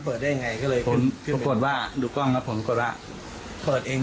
เปิดได้ยังไงก็เลยกดว่าดูกล้องครับผมกดว่าเปิดเองอ๋อ